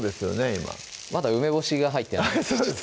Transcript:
今まだ梅干しが入ってないあっ